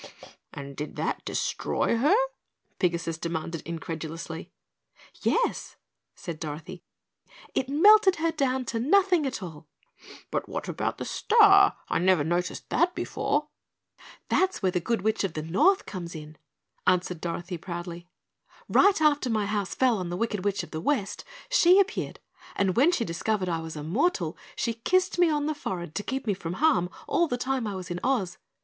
"And did that destroy her?" Pigasus demanded incredulously. "Yes," said Dorothy, "it melted her down to nothing at all." "But what about the star? I never noticed that before?" "That's where the Good Witch of the North comes in," answered Dorothy proudly. "Right after my house fell on the Wicked Witch of the West, she appeared and when she discovered I was a mortal she kissed me on the forehead to keep me from harm all the time I was in Oz.